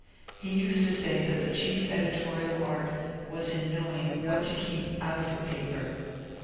He used to say that the chief editorial art was in knowing what to keep out of a paper.